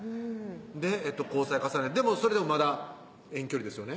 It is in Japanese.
で交際重ねでもそれでもまだ遠距離ですよね